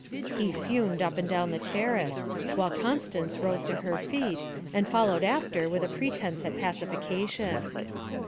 He fumed up and down the terrace, while Constance rose to her feet and followed after with a pretence at pacification.